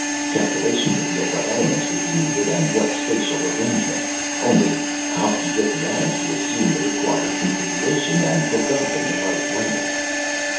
Calculation revealed what elements would be needed, and what spatial arrangement only how did you get the atoms to assume the required configuration and hook up in the right way?